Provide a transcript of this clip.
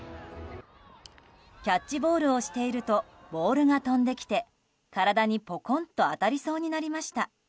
キャッチボールをしているとボールが飛んできて体にぽこんと当たりそうになりました。